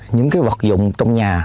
những cái vật dụng trong nhà